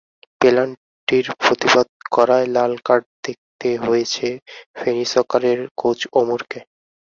পেনাল্টির প্রতিবাদ করায় লাল কার্ড দেখতে হয়েছে ফেনী সকারের কোচ ওমরকে।